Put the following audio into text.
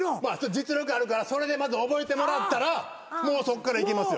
実力あるからそれでまず覚えてもらったらもうそっからいけますよ。